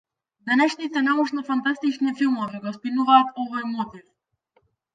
Денешните научно-фантастични филмови го спинуваат овој мотив.